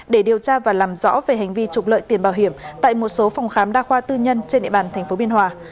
để điều tra và làm rõ về hành vi trục lợi tiền bảo hiểm tại một số phòng khám đa khoa tư nhân trên địa bàn tp biên hòa